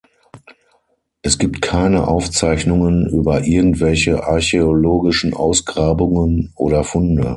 Es gibt keine Aufzeichnungen über irgendwelche archäologischen Ausgrabungen oder Funde.